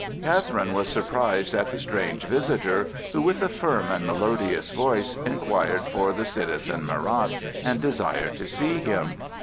Catherine was surprised at the strange visitor, who, with a firm and melodious voice, inquired for the citizen Marat and desired to see him.